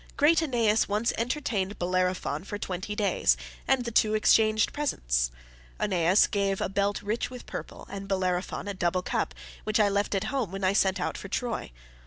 Great Oeneus once entertained Bellerophon for twenty days, and the two exchanged presents. Oeneus gave a belt rich with purple, and Bellerophon a double cup, which I left at home when I set out for Troy.